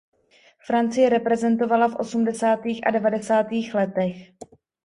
Francii reprezentovala v osmdesátých a devadesátých letech.